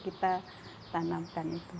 kita tanamkan itu